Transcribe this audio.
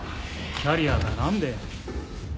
キャリアが何で？